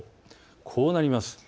こうなります。